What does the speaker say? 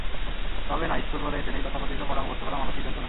তবে না, ইশকুল বলে এতে নেই তথাকথিত পড়া মুখস্থ করার মানসিক যন্ত্রণা।